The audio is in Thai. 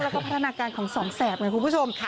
แล้วก็พัฒนาการของสองแสบไงคุณผู้ชม